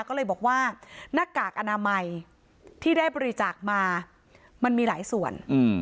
ก็เลยบอกว่าหน้ากากอนามัยที่ได้บริจาคมามันมีหลายส่วน